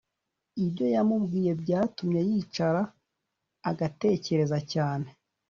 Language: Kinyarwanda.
ibyo yamubwiye byatumye yicara agtekereza cyane